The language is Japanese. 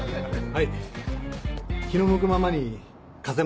はい！